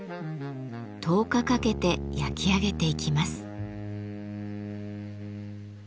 １０日かけて焼き上げていきます。